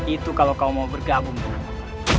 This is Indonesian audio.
itu kalau kau mau bergabung dengan aku